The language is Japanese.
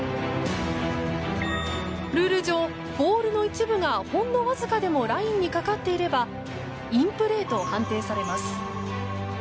ルール上、ボールの一部がほんのわずかでもラインにかかっていればインプレーと判定されます。